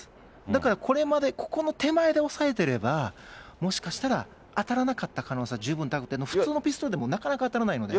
だからこれまで、ここの手前でおさえてれば、もしかしたら、当たらなかった可能性は十分高く、普通のピストルでもなかなか当たらないので。